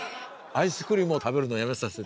アイスクリームを食べるのをやめさせて。